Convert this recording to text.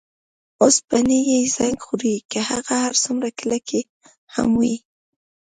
اوسپنې یې زنګ خوري که هغه هر څومره کلکې هم وي.